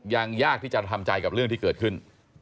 ยากที่จะทำใจกับเรื่องที่เกิดขึ้น